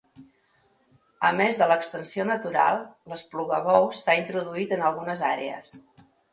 A més de l'extensió natural, l'esplugabous s'ha introduït en algunes àrees.